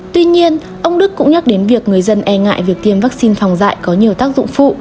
tuy nhiên ông đức cũng nhắc đến việc người dân e ngại việc tiêm vaccine phòng dạy có nhiều tác dụng phụ